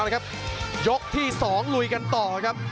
เลยครับยกที่๒ลุยกันต่อครับ